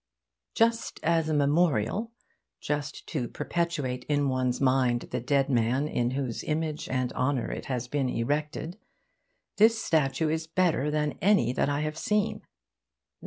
Just as a memorial, just to perpetuate in one's mind the dead man in whose image and honour it has been erected, this statue is better than any that I have seen....